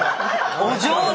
お上手！